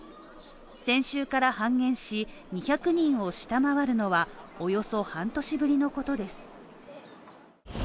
先週から半減し、２００人を下回るのは、およそ半年ぶりのことです。